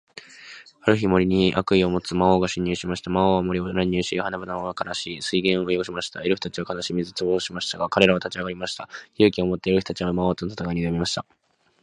ある日、森に悪意を持つ魔王が侵入しました。魔王は森を乱し、花々を枯らし、水源を汚しました。エルフたちは悲しみ、絶望しましたが、彼らは立ち上がりました。勇気を持って、エルフたちは魔王との戦いに挑みました。